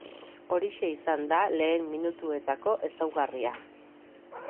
Horixe izan da lehen minutuetako ezaugarria.